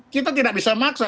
kita tidak bisa maksa